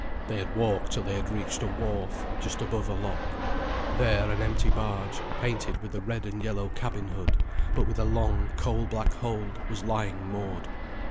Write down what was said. They had walked till they had reached a wharf, just above a lock. There an empty barge, painted with a red and yellow cabin hood, but with a long, coal black hold, was lying moored.